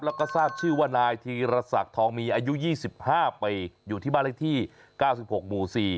แล้วก็ทราบชื่อว่านายธีรศักดิ์ทองมีอายุ๒๕ปีอยู่ที่บ้านเลขที่๙๖หมู่๔